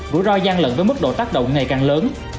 rủi ro gian lận với mức độ tác động ngày càng lớn